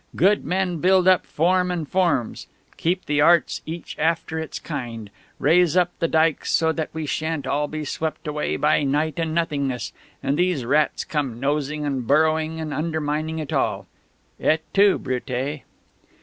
"Good men build up Form and Forms keep the Arts each after its kind raise up the dikes so that we shan't all be swept away by night and nothingness and these rats come nosing and burrowing and undermining it all!... _Et tu, Brute!